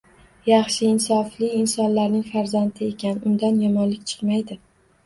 Yaxshi, insofli insonlarning farzandi ekan, undan yomonlik chiqmaydi